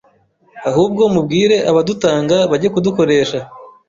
ahubwo mubwire abadutanga bajye kudukoresha